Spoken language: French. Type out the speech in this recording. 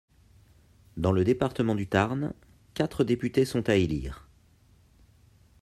Dans le département du Tarn, quatre députés sont à élire.